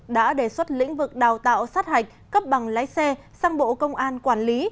đã đề xuất lĩnh vực đào tạo sát hạch cấp bằng lái xe sang bộ công an quản lý